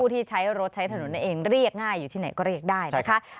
ที่ใช้รถใช้ถนนนั่นเองเรียกง่ายอยู่ที่ไหนก็เรียกได้นะคะ